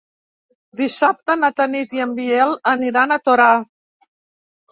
Dissabte na Tanit i en Biel aniran a Torà.